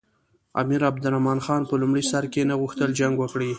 امیر عبدالرحمن خان په لومړي سر کې نه غوښتل جنګ وکړي.